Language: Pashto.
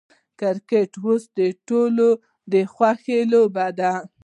کرکټ اوس د ټولو د خوښې لوبه ده.